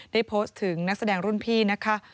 ได้โพสต์ถึงนักแสดงรุ่นพี่นะคะ